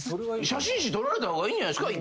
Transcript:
写真誌撮られた方がいいんじゃないんすか？